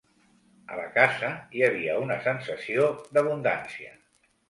A la casa hi havia una sensació d'abundància.